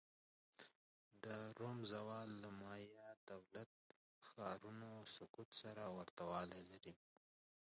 د روم زوال له مایا دولت-ښارونو سقوط سره ورته والی لري